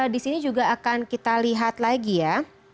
di sini juga akan kita lihat lagi ya